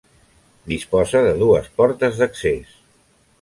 Disposa de dues portes d'accés.